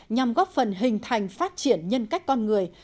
nhằm góp phần hình thành phát triển nhân cách con người